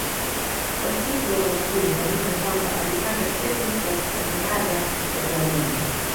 Wasifu wa Magufuli unaonyesha kwamba alipata cheti cha Stashahada ya ualimu